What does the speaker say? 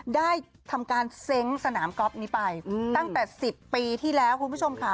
ได้ทำการเซ้งสนามก๊อฟนี้ไปตั้งแต่๑๐ปีที่แล้วคุณผู้ชมค่ะ